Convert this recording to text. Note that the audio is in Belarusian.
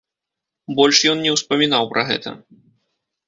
Больш ён не ўспамінаў пра гэта.